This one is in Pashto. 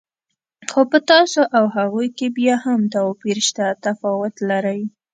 خو په تاسو او هغوی کې بیا هم توپیر شته، تفاوت لرئ.